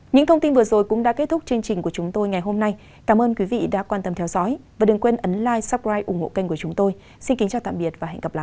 những thông tin vừa rồi cũng đã kết thúc chương trình của chúng tôi ngày hôm nay cảm ơn quý vị đã quan tâm theo dõi và đừng quên ấn lai suppri ủng hộ kênh của chúng tôi xin kính chào tạm biệt và hẹn gặp lại